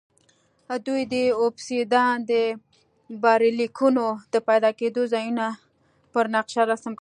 دوی د اوبسیدیان ډبرلیکونو د پیدا کېدو ځایونه پر نقشه رسم کړل